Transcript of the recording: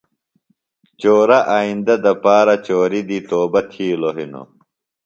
چورہ آئیندہ دپارہ چوری دی توبہ تِھیلوۡ ہِنوۡ